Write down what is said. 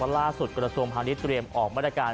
จากวันล่าสุดกรรมทรวมฮาลิศเตรียมออกบรรยาการ